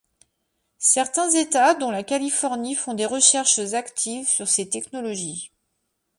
Certains états, dont la Californie font des recherches actives sur ces technologies.